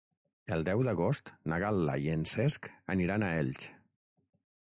El deu d'agost na Gal·la i en Cesc aniran a Elx.